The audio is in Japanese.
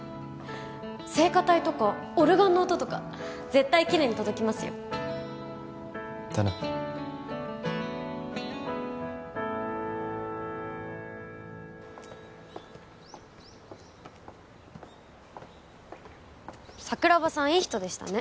聖歌隊とかオルガンの音とか絶対きれいに届きますよだな桜庭さんいい人でしたね